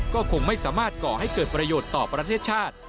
ก็คงไม่สามารถก่อให้เกิดประโยชน์ต่อประเทศชาติ